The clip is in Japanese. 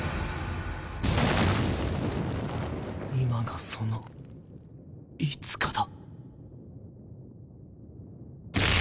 今がその「いつか」だ。